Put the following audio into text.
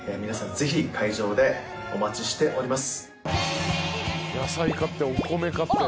ぜひ会場でお待ちしております。